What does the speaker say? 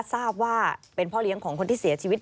ทราบว่าเป็นพ่อเลี้ยงของคนที่เสียชีวิต